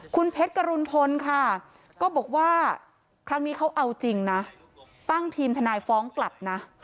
คุณเพชรกรุณพลค่ะก็บอกว่าครั้งนี้เขาเอาจริงนะตั้งทีมทนายฟ้องกลับนะ